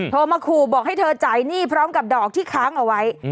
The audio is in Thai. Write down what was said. โทรมาขู่บอกให้เธอจ่ายหนี้พร้อมกับดอกที่ค้างเอาไว้